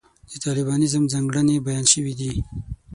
د طالبانیزم ځانګړنې بیان شوې دي.